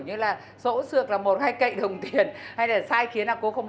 nghĩa là con chảy qua bao nhiêu người yêu không